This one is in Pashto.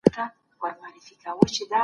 ما پخوا دا ډول منظره نه وه لیدلي.